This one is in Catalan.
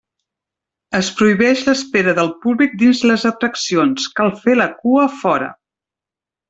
Es prohibeix l'espera del públic dins les atraccions, cal fer la cua fora.